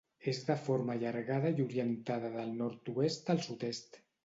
És de forma allargada i orientada del nord-oest al sud-est.